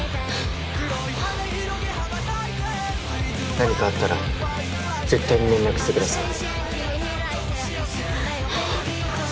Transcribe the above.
何かあったら絶対に連絡してください